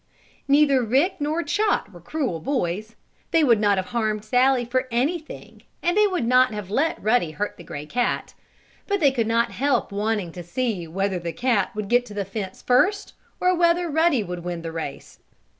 Neither Rick nor Chot were cruel boys. They would not have harmed Sallie for anything, and they would not have let Ruddy hurt the gray cat. But they could not help wanting to see whether the cat would get to the fence first, or whether Ruddy would win the race.